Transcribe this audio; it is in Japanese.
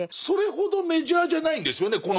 それほどメジャーじゃないんですよね